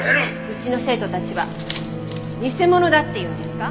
うちの生徒たちは偽物だっていうんですか？